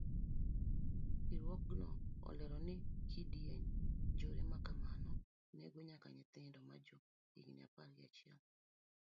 Riwruogno olero ni kidienj njore makamano nego nyaka nyithindo majo higni apar gi achiel.